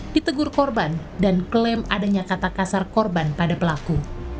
ditegur korban dan klaim adanya kata kasar korban pada pelaku